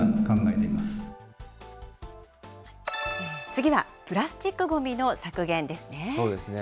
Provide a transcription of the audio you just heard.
次はプラスチックごみの削減ですね。